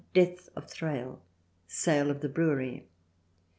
Death of Thrale. Sale of the brewery.